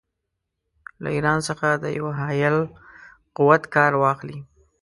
له ایران څخه د یوه حایل قوت کار واخلي.